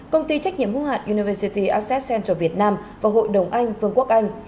công ty trách nhiệm hữu hạn university access centre việt nam và hội đồng anh vương quốc anh